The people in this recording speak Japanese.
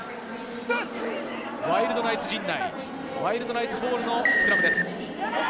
ワイルドナイツ陣内、ワールドナイツボールのスクラムです。